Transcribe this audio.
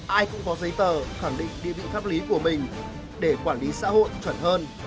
ai cũng có giấy tờ khẳng định địa vị pháp lý của mình để quản lý xã hội chuẩn hơn